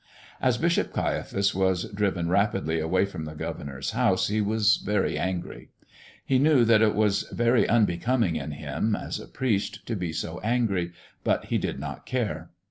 As Bishop Caiaphas was driven rapidly away from the governor's house he was very angry. He knew that it was very unbecoming in him, as a priest, to be so angry, but he did not care.